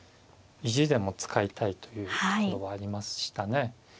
意地でも使いたいというのはありましたね。